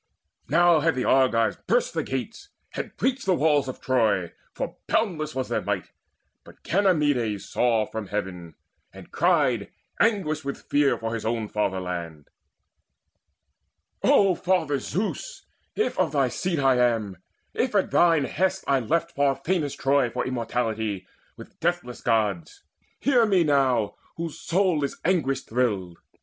Now had the Argives burst the gates, had breached The walls of Troy, for boundless was their might; But Ganymedes saw from heaven, and cried, Anguished with fear for his own fatherland: "O Father Zeus, if of thy seed I am, If at thine best I left far famous Troy For immortality with deathless Gods, O hear me now, whose soul is anguish thrilled!